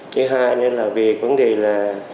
chứ hai là vì vấn đề là